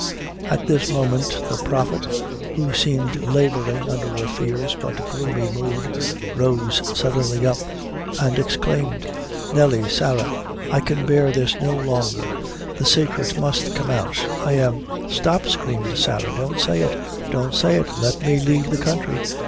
At this moment, the prophet, who seemed laboring under a fierce but gloomy mood, rose suddenly up, and exclaimed "Nelly Sarah! I can bear this, no longer; the saicret must come out. I am " "Stop," screamed Sarah, "don't say it don't say it! Let me leave the counthry.